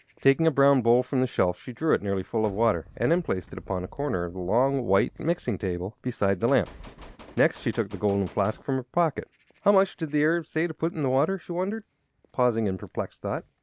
Taking a brown bowl from the shelf she drew it nearly full of water and then placed it upon a corner of the long, white mixing table, beside the lamp. Next she took the golden flask from her pocket. "How much did the Arab say to put in the water?" she wondered, pausing in perplexed thought.